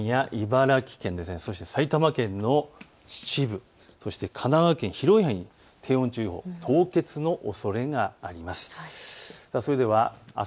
栃木県や茨城県、そして埼玉県の秩父、そして神奈川県、広い範囲に低温注意報凍結のおそれがあります。